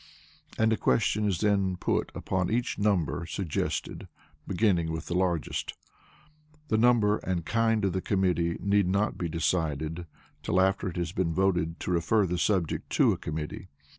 and a question is then put upon each number suggested, beginning with the largest. The number and kind of the committee need not be decided till after it has been voted to refer the subject to a committee.